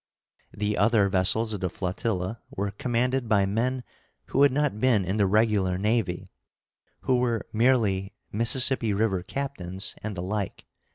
The other vessels of the flotilla were commanded by men who had not been in the regular navy, who were merely Mississippi River captains, and the like.